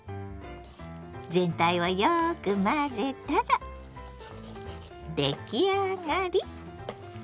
全体をよく混ぜたら出来上がり！